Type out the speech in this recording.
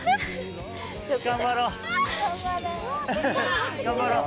頑張ろう！